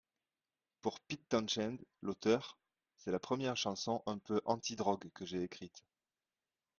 Pour Pete Townshend, l'auteur, C'est la première chanson un peu 'anti-drogue' que j'ai écrite.